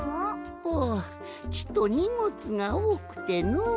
ほっちとにもつがおおくてのう。